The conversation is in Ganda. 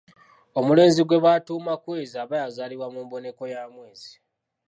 Omulenzi gwe batuuma Kwezi aba yazaalibwa mu mboneko ya mwezi.